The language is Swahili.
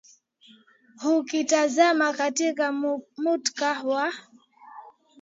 ukitazama katika muktadha wa wa